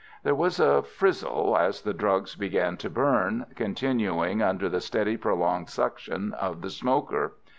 There was a frizzle as the drug began to burn, continuing under the steady prolonged suction of the smoker.